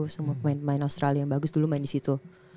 semua pemain pemain australia yang bagus dulu main disitu